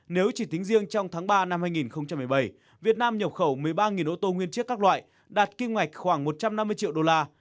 nếu chỉ tính riêng trong tháng ba năm hai nghìn một mươi bảy việt nam nhập khẩu một mươi ba ô tô nguyên chiếc các loại đạt kim ngạch khoảng một trăm năm mươi triệu đô la